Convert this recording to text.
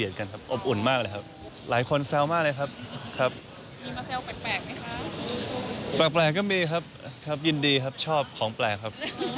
มีแล้วจะมีแบบถ่ายแม็กซีนไหมครับ